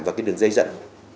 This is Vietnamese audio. hệ thống đường dây dẫn